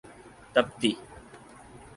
تبتی